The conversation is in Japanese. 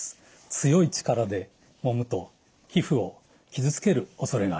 強い力でもむと皮膚を傷つけるおそれがあります。